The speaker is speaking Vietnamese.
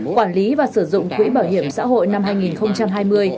quản lý và sử dụng quỹ bảo hiểm xã hội năm hai nghìn hai mươi